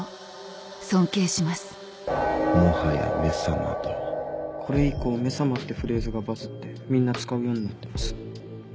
「もはやめ様だ」。これ以降「め様」ってフレーズがバズってみんな使うようになってます。